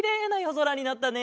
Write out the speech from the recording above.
ぞらになったね！